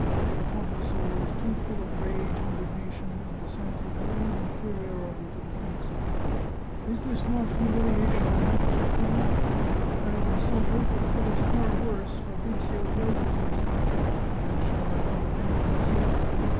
Her haughty soul was too full of rage, 291 The Chartreuse of Parma indignation, and the sense of her own inferiority to the prince. " Is not this humihation enough ?" she cried. " I am insulted, and, what is far worse, Fabrizio's life is risked! And shall I not avenge myself?